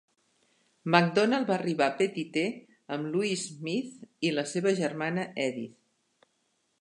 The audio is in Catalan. MacDonald va arribar a Petite amb Lewis Smith i la seva germana Edith.